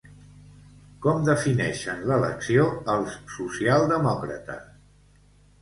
Com defineixen l'elecció els socialdemòcrates?